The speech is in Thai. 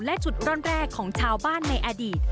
และจุดร่อนแรกของชาวบ้านในอดีต